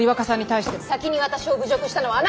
先に私を侮辱したのはあなたでしょ！